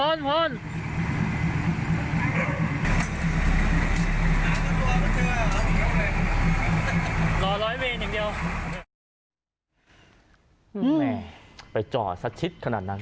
รอร้อยเวนอย่างเดียวโอ้แม่ไปจอดสัดชิดขนาดนั้น